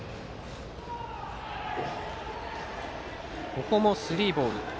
ここもスリーボール。